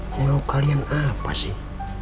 mau kalian apa sih